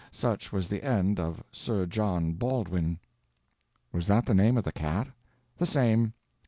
Such was the end of Sir John Baldwin." "Was that the name of the cat?" "The same.